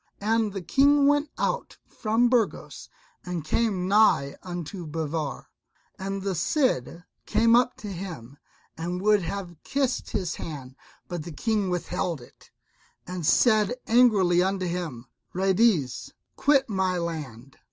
And the King went out from Burgos and came nigh unto Bivar; and the Cid came up to him and would have kissed his hand, but the King withheld it, and said angrily unto him, "Ruydiez, quit my land."